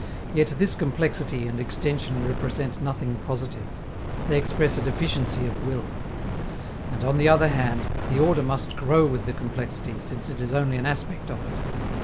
Yet this complexity and extension represent nothing positive; they express a deficiency of will. And, on the other hand, the order must grow with the complexity, since it is only an aspect of it.